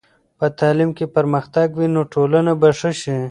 که په تعلیم کې پرمختګ وي، نو ټولنه به ښه شي.